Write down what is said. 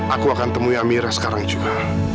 aku akan temui amira sekarang juga